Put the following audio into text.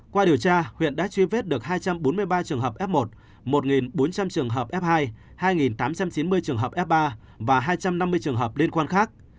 qua điều tra huyện đã truy vết được hai trăm bốn mươi ba trường hợp f một một bốn trăm linh trường hợp f hai hai tám trăm chín mươi trường hợp f ba và hai trăm năm mươi trường hợp liên quan khác